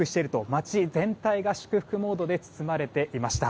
街全体が祝福ムードで包まれていました。